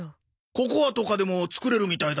ココアとかでも作れるみたいだぞ？